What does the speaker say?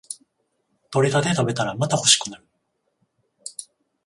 採れたて食べたらまた欲しくなる